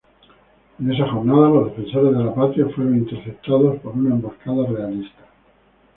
En esa jornada los defensores de la Patria, fueron interceptados por una emboscada realista.